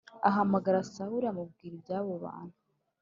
ahamagara Sawuli amubwira ibyabo bantu